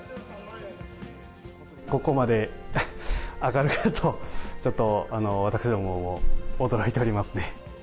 ここまで上がるのかと、ちょっと私どもも驚いておりますね。